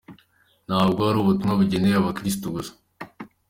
"Ntabwo ari ubutumwa bugenewe abakirisitu gusa.